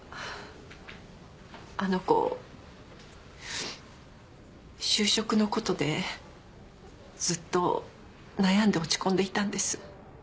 あの子就職のことでずっと悩んで落ち込んでいたんです。